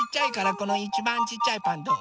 このいちばんちっちゃいパンどう？